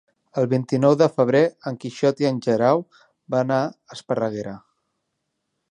El vint-i-nou de febrer en Quixot i en Guerau van a Esparreguera.